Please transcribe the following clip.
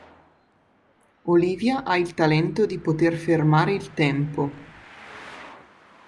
Olivia ha il talento di poter fermare il tempo.